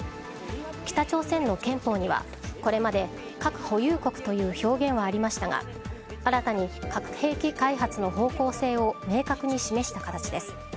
北朝鮮の憲法には、これまで核保有国という表現はありましたが新たに、核兵器開発の方向性を明確に示した形です。